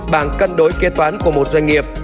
bảng cân đối kế toán của một doanh nghiệp